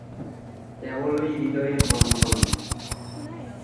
কেবলই হৃদয়ের বন্ধন।